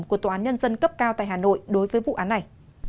của tòa án nhân dân cấp cao tại hà nội đối với vụ án này